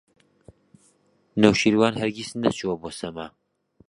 نەوشیروان هەرگیز نەچووە بۆ سەما.